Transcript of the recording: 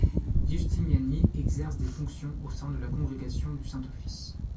Giustiniani exerce des fonctions au sein de la Congrégation du Saint-Office.